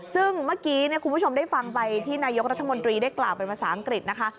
ซึ่งเมื่อกี้คุณผู้ชมได้ฟังไปที่นายกรัฐมนตรีได้กล่าวเป็นภาษาอังกฤษนะคะ